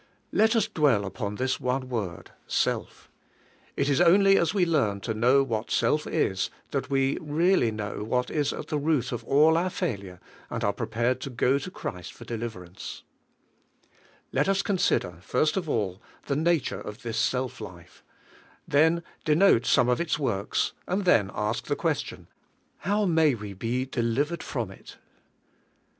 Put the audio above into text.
Let us dwell upon this one word, "self." It is only as we learn to know what self is that we reall}^ know what is at the root of all our failure, and are prepared to go to Christ for deliverance. THE SELF LIFE 29 Let us consider, first of all, the nature of this self life, then denote some of its works and then ask the question: '4Iovv may we be delivered from it?